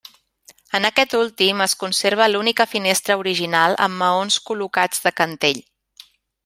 En aquest últim es conserva l'única finestra original amb maons col·locats de cantell.